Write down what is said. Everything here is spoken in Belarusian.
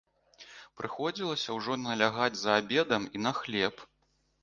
Прыходзілася ўжо налягаць за абедам і на хлеб.